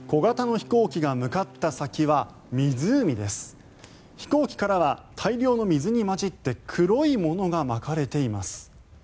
飛行機からは大量の水に混じって黒いものがまかれています。